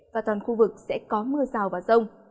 và toàn khu vực sẽ có mưa rào và rông